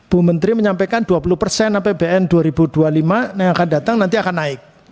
bu menteri menyampaikan dua puluh persen apbn dua ribu dua puluh lima yang akan datang nanti akan naik